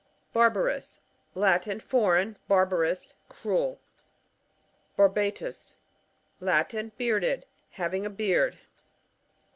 Barbarus. — Latin. Foreign ; bar barous; cruel. Barbatus — Latin. Bearded ; hay ing a beard.